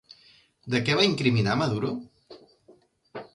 De què va incriminar Maduro?